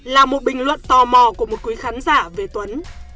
là một bình luận tò mò của một quý khán giả về tuấn